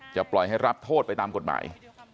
ปล่อยให้รับโทษไปตามกฎหมาย